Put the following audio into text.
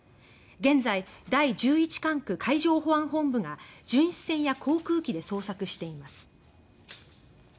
現在、第十一管区海上保安本部が巡視船や航空機で捜索しています。